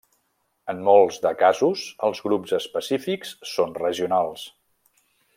En molts de casos els grups específics són regionals.